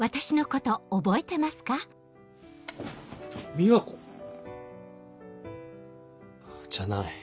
美和子⁉じゃない。